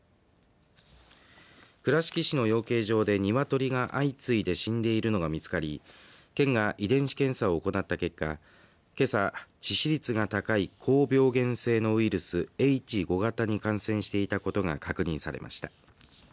倉敷市の養鶏場で鶏が相次いで死んでいるのが見つかり県が遺伝子検査を行った結果けさ、致死率が高い高病原性のウイルスＨ５型に感染していたことが確認されました。